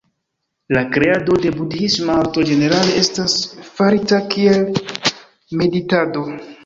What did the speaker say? La kreado de budhisma arto ĝenerale estas farita kiel meditado.